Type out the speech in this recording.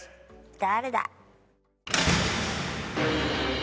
誰だ？